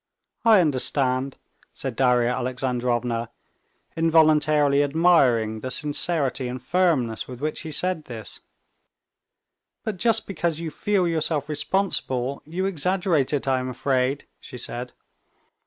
"I understand," said Darya Alexandrovna, involuntarily admiring the sincerity and firmness with which he said this. "But just because you feel yourself responsible, you exaggerate it, I am afraid," she said.